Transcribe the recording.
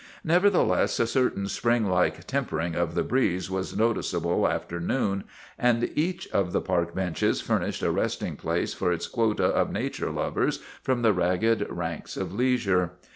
Nevertheless a certain springlike tempering of the breeze was no ticeable after noon and each of the park benches fur nished a resting place for its quota of nature lovers from the ragged ranks of leisure.